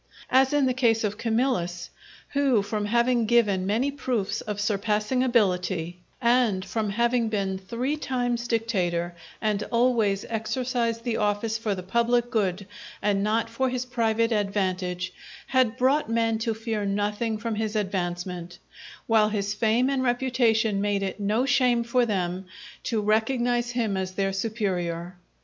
As in the case of Camillas, who from having given many proofs of surpassing ability, and from having been three times dictator and always exercised the office for the public good and not for his private advantage, had brought men to fear nothing from his advancement; while his fame and reputation made it no shame for them to recognize him as their superior.